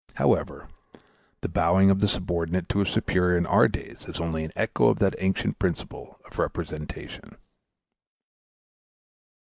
However, the bowing of the subordinate to his superior in our own days is only an echo of that ancient principle of representation.